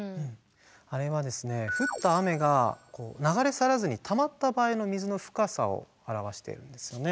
あれはですね降った雨が流れ去らずにたまった場合の水の深さを表しているんですよね。